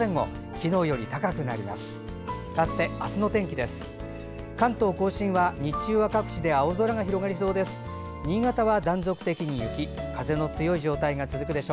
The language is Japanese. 昨日より高くなります。